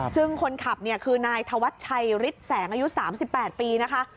ซึ่งคนขับเนี่ยคือนายธวัชชัยฤทธิ์แสงอายุ๓๘ปีนะคะ